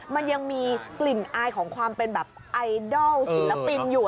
มันยังมีกลิ่นอายของความเป็นแบบไอดอลศิลปินอยู่